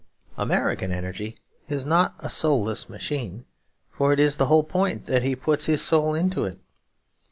American energy is not a soulless machine; for it is the whole point that he puts his soul into it.